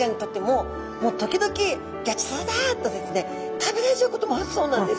食べられちゃうこともあるそうなんです。